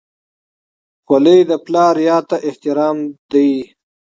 خولۍ د پلار یاد ته احترام دی.